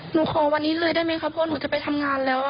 หนูขอวันนี้เลยได้ไหมครับเพราะว่าหนูจะไปทำงานแล้วอ่ะครับ